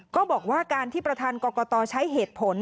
ก็บอกว่าการที่ประธานกรกตใช้เหตุผล